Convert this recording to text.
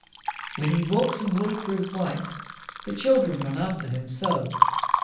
When he walks in waterproof white, The children run after him so!